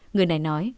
người này nói